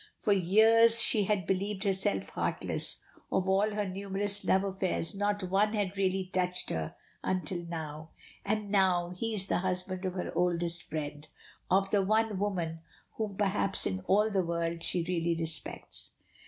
For years she had believed herself heartless of all her numerous love affairs not one had really touched her until now, and now he is the husband of her oldest friend; of the one woman whom perhaps in all the world she really respects.